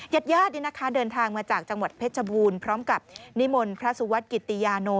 หญัดด้วยนะคะเดินทางมาจากจังหวัดเพชรบูลพร้อมกับนิมนต์พระสุวัสดิ์กิตติยาโน